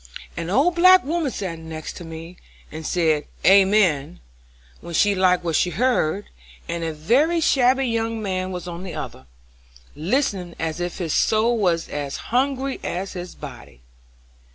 An old black woman sat next me, and said 'Amen' when she liked what she heard, and a very shabby young man was on the other, listening as if his soul was as hungry as his body.